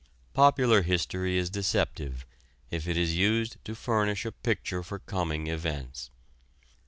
Popular history is deceptive if it is used to furnish a picture for coming events.